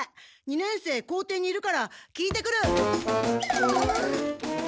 二年生校庭にいるから聞いてくる！